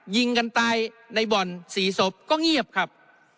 ยิงกันตายในบ่อน๔ศพก็เงียบครับ